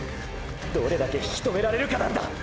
どれだけ引き止められるかなんだ！！